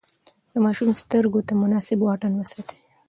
د ماشوم سترګو ته مناسب واټن وساتئ.